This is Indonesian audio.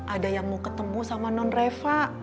ada yang mau ketemu sama non reva